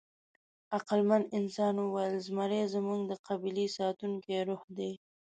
عقلمن انسان وویل: «زمری زموږ د قبیلې ساتونکی روح دی».